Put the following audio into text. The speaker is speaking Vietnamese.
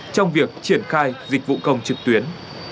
trong việc triển khai dịch vụ công trực tuyến